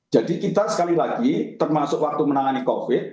jadi kita sekali lagi termasuk waktu menangani covid